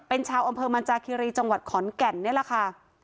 เป็นชาวอำเภอมันจาคิรีจังหวัดขอนแก่นนี่แหละค่ะ